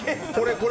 これ。